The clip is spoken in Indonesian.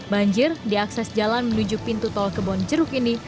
banjir diakses jalan menuju pintu tol kebon jeruk ini